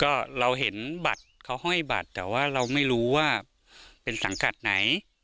ก็เราเห็นบัตรเขาห้อยบัตรแต่ว่าเราไม่รู้ว่าเป็นสังกัดไหน